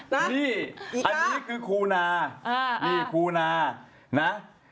นี่อันนี้คือครูนานี่ครูนานะ